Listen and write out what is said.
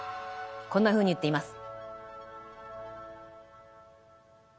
こんなふうに言っています。